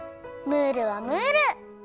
ムールはムール！